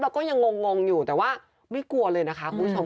ก็ยังงงอยู่แต่ว่าไม่กลัวเลยนะคะคุณผู้ชม